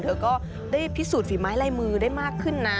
เธอก็ได้พิสูจนฝีไม้ลายมือได้มากขึ้นนะ